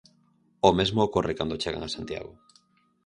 O mesmo ocorre cando chegan a Santiago.